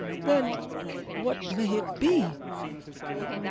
"Then what may it be?"